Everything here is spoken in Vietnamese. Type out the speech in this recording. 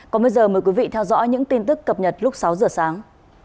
còn bây giờ mời quý vị theo dõi những tin tức cập nhật lúc sáu giờ sáng